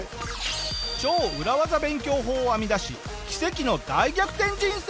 超裏ワザ勉強法を編み出し奇跡の大逆転人生！